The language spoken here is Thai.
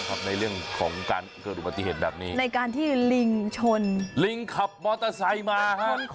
คือผมอยากรู้ครับว่า